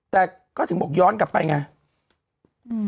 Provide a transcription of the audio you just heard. แต่ก็ถึงบอกย้อนกลับไปไง